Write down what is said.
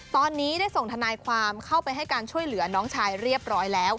ตอนนี้ได้ส่งทนายความเข้าไปให้การช่วยเหลือน้องชายเรียบร้อยแล้ว